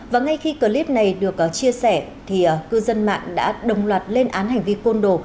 và ngay khi clip này được chia sẻ thì cư dân mạng đã đồng loạt lên án hành vi côn đồ